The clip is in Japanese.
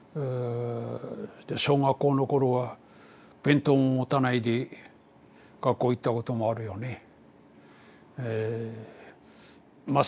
で小学校のころは弁当も持たないで学校行ったこともあるよね。